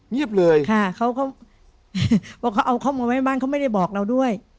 เงียบเลยค่ะเขาเอาเขามาไว้บ้านเขาไม่ได้บอกเราด้วย